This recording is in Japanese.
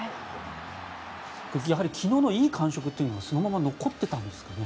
やはり昨日のいい感触というのはそのまま残っていたんですかね？